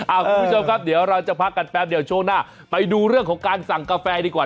คุณผู้ชมครับเดี๋ยวเราจะพักกันแป๊บเดียวช่วงหน้าไปดูเรื่องของการสั่งกาแฟดีกว่า